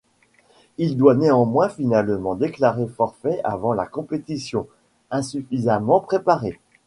Il doit néanmoins finalement déclarer forfait avant la compétition, insuffisamment préparé.